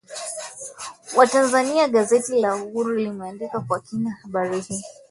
watanzania gazeti la uhuru limeandika kwa kina habari hii